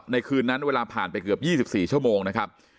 คืนนั้นเวลาผ่านไปเกือบ๒๔ชั่วโมงนะครับ